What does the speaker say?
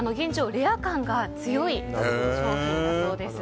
レア感が強い商品だそうです。